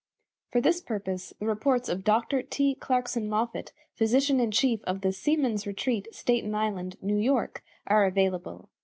For this purpose the reports of Dr. T. Clarkson Moffatt, Physician in chief of the "Seaman's Retreat," Staten Island, New York, are available.